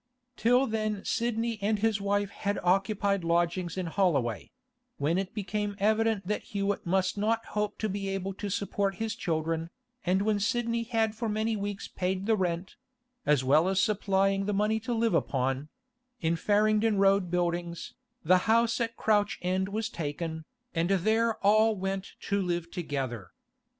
Till then Sidney and his wife had occupied lodgings in Holloway; when it became evident that Hewett must not hope to be able to support his children, and when Sidney had for many weeks paid the rent (as well as supplying the money to live upon) in Farringdon Road Buildings, the house at Crouch End was taken, and there all went to live together.